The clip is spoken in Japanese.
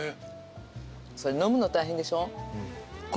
それ飲むの大変でしょ？